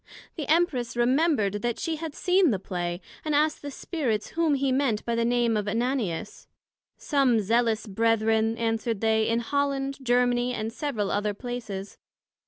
The Empress remembred that she had seen the Play, and asked the Spirits, whom he meant by the name of Ananias? some Zealous Brethren, answered they, in Holland, Germany, and several other places.